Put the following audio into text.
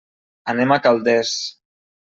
Anem a Calders.